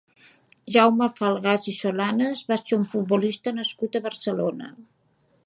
Jaume Falgàs i Solanes va ser un futbolista nascut a Barcelona.